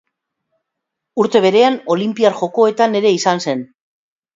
Urte berean Olinpiar Jokoetan ere izan zen.